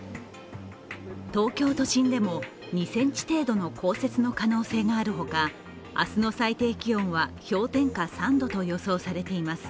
東京都心でも、２ｃｍ程度の降雪の可能性があるほか明日の最低気温は氷点下３度と予想されています。